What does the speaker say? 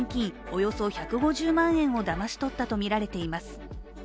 およそ１５０万円をだまし取ったとみられています。